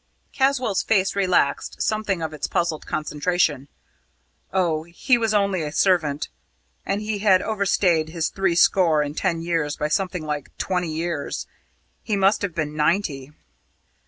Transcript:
Caswall's face relaxed something of its puzzled concentration. "Oh, he was only a servant; and he had over stayed his three score and ten years by something like twenty years. He must have been ninety!"